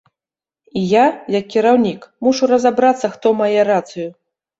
І я, як кіраўнік, мушу разабрацца, хто мае рацыю.